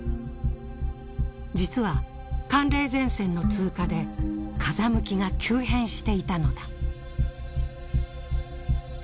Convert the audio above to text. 実は寒冷前線の通過で風向きが急変していたのだ。